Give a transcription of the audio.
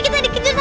kita dikejar juga